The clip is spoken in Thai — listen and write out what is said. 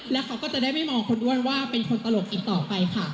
และเขาก็จะได้ไม่มองคนอ้วนว่าเป็นคนตลกอีกต่อไปค่ะ